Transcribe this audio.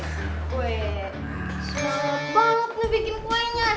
susah banget nih bikin kuenya